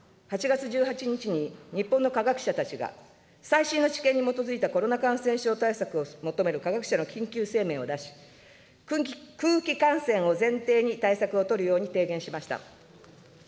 ８月１８日に日本の科学者たちが最新の知見に基づいたコロナ感染症対策を求める科学者の緊急声明を出し、空気感染を前提に対策を取るように提言しました。